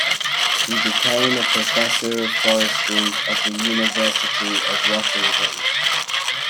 He became a professor of forestry at the University of Washington.